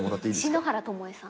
篠原ともえさん。